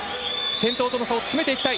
先頭との差を詰めていきたい。